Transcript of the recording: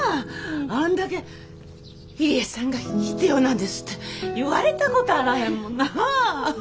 あんだけ「入江さんが必要なんです」って言われたことあらへんもんな？